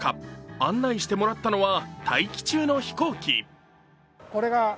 案内してもらったのは待機中の飛行機。